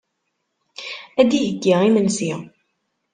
Ad d-iheyyi imensi.